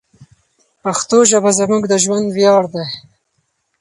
پښتو ژبه زموږ د ژوند ویاړ دی.